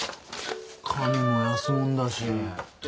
紙も安もんだし。